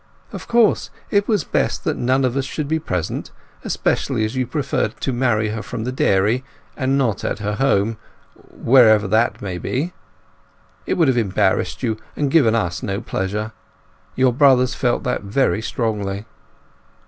Of course it was best that none of us should be present, especially as you preferred to marry her from the dairy, and not at her home, wherever that may be. It would have embarrassed you, and given us no pleasure. Your bothers felt that very strongly.